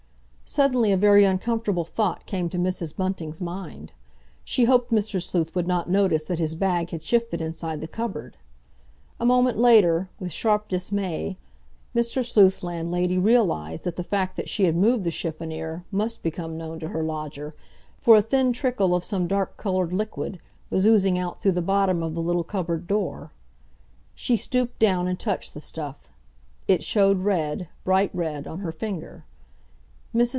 Suddenly a very uncomfortable thought came to Mrs. Bunting's mind. She hoped Mr. Sleuth would not notice that his bag had shifted inside the cupboard. A moment later, with sharp dismay, Mr. Sleuth's landlady realised that the fact that she had moved the chiffonnier must become known to her lodger, for a thin trickle of some dark coloured liquid was oozing out though the bottom of the little cupboard door. She stooped down and touched the stuff. It showed red, bright red, on her finger. Mrs.